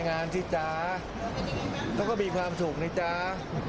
มีงานสิจ้าเขาก็มีความสุขนิจจ้า